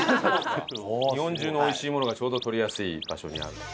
日本中の美味しいものがちょうど取りやすい場所にある。